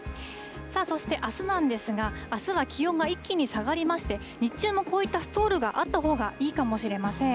そして、あすなんですが、あすは気温が一気に下がりまして、日中もこういったストールがあったほうがいいかもしれません。